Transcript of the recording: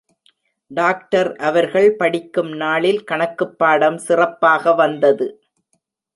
Doctor அவர்கள் படிக்கும் நாளில் கணக்குப் பாடம் சிறப்பாக வந்தது.